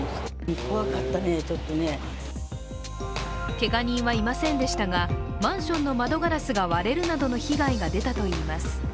けが人はいませんでしたがマンションの窓ガラスが割れるなどの被害が出たといいます。